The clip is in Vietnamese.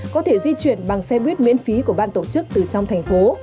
có thể di chuyển bằng xe buýt miễn phí của ban tổ chức từ trong thành phố